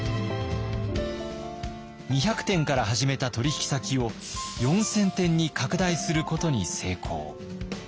２００店から始めた取引先を４，０００店に拡大することに成功。